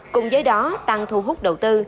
cùng với đó tăng thu hút đầu tư